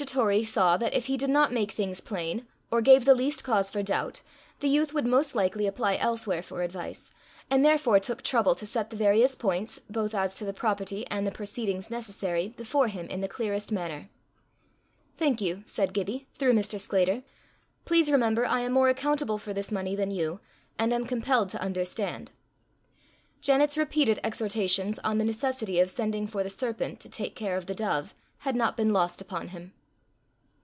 Torrie saw that, if he did not make things plain, or gave the least cause for doubt, the youth would most likely apply elsewhere for advice, and therefore took trouble to set the various points, both as to the property and the proceedings necessary, before him in the clearest manner. "Thank you," said Gibbie, through Mr. Sclater. "Please remember I am more accountable for this money than you, and am compelled to understand." Janet's repeated exhortations on the necessity of sending for the serpent to take care of the dove, had not been lost upon him.